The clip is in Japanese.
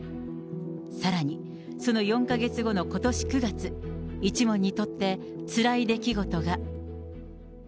さらに、その４か月後のことし９月、一門にとって、つらい出来事が。